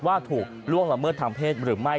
ถูกล่วงละเมิดทางเพศหรือไม่